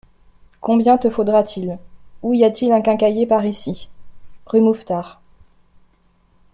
Combien te faudra-t-il ? Où y a-t-il un quincaillier par ici ? Rue Mouffetard.